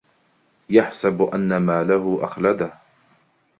يحسب أن ماله أخلده